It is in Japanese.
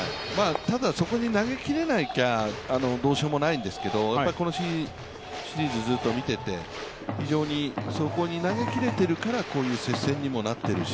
そこに投げきれなきゃどうしようもないんですけど、日本シリーズずっと見てて非常にそこに投げ切れているから接戦にもなっているし